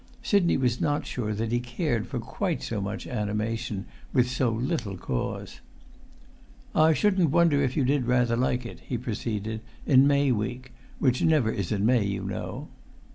Sidney was not sure that he cared for quite so much animation with so little cause. "I shouldn't wonder if you did rather like it," he proceeded, "in May week—which never is in May, you know."